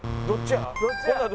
どっちや？